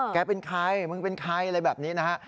เป็นใครมึงเป็นใครอะไรแบบนี้นะฮะ